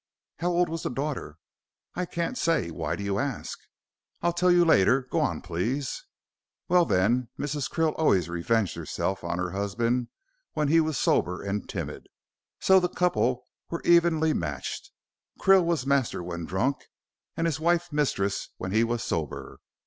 "How old was the daughter?" "I can't say. Why do you ask?" "I'll tell you later. Go on, please." "Well, then, Mrs. Krill always revenged herself on her husband when he was sober and timid, so the couple were evenly matched. Krill was master when drunk, and his wife mistress when he was sober.